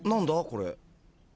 これ。